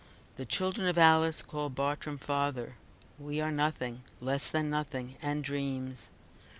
The children of Alice called Bartrum father. We are nothing; less than nothing, and dreams.